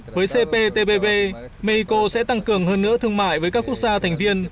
với cptpp mexico sẽ tăng cường hơn nữa thương mại với các quốc gia thành viên